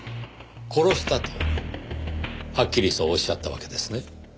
「殺した」とはっきりそうおっしゃったわけですね？